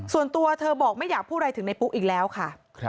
ส่วนตัวเธอบอกไม่อยากพูดอะไรถึงในปุ๊กอีกแล้วค่ะ